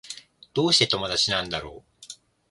どうして友達なんだろう